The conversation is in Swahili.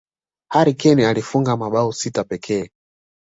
harry kane alifunga mabao sita pekee